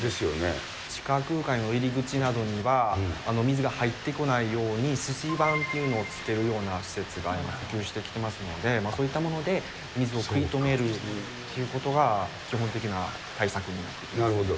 地下空間への入り口などには、水が入ってこないように止水版というのをつけるような施設が普及してますので、そういったもので水を食い止めるということが基本的な対策になっなるほど。